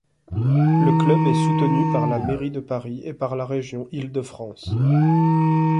Le club est soutenu par la mairie de Paris et par la région Île-de-France.